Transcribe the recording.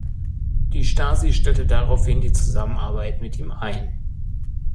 Die Stasi stellte daraufhin die Zusammenarbeit mit ihm ein.